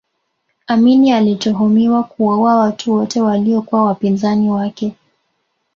amini anatuhumiwa kuwaua watu wote waliyokuwa wapinzani wake